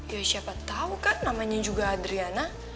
ya siapa tahu kan namanya juga adriana